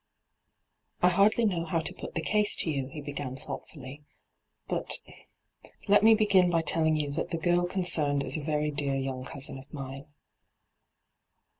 ' I hardly know how to put the case to you,' he began thoughtfully. ' But — let me begin hyGoo^lc ENTRAPPED 205 by telling you that the girl concerned is a very dear young cousin of mine.